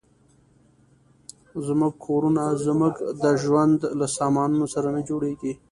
زموږ کورونه زموږ د ژوند له سامانونو سره نه جوړېږي.